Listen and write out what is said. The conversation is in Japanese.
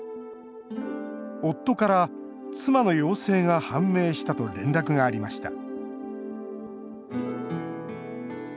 夫から妻の陽性が判明したと連絡がありました。